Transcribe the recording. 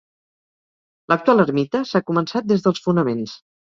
L'actual ermita s'ha començat des dels fonaments.